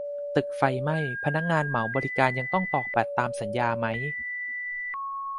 ตึกไฟไหม้ พนักงานเหมาบริการยังต้องตอกบัตรตามสัญญาไหม ?